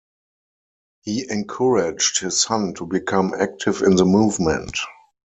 He encouraged his son to become active in the movement.